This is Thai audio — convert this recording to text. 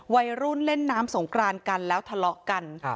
วัยรุ่นเล่นน้ำสงกรานกันแล้วทะเลาะกัน